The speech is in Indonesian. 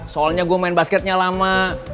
soalnya gue main basketnya lama